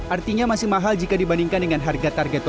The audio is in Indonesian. artinya masih mahal jika dibandingkan dengan harga target